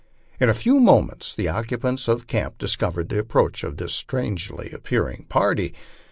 In a few moments the occupants of camp discovered the approach of this strangely appearing party.